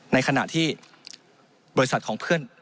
ในขณะที่บริษัทของเพื่อน